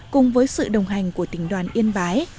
cùng với sự đồng hành của tỉnh đoàn yên bái